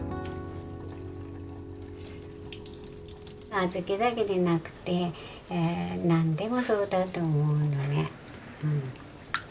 小豆だけでなくって何でもそうだと思うのね。